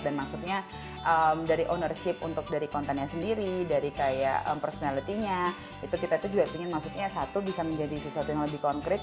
maksudnya dari ownership untuk dari kontennya sendiri dari kayak personality nya itu kita tuh juga pengen maksudnya satu bisa menjadi sesuatu yang lebih konkret